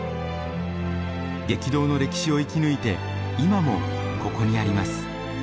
激動の歴史を生き抜いて今もここにあります。